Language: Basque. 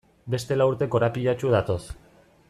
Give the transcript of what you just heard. Beste lau urte korapilatsu datoz.